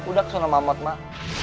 udah kesana mamot mak